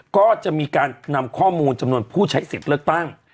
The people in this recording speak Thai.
ก็จะมีการนำข้อมูลจำนวนผู้ใช้สิทธิ์เลือกตั้ง